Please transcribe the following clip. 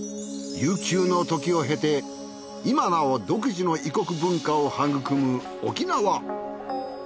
悠久の時を経て今なお独自の異国文化を育む沖縄。